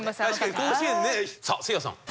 さあせいやさん。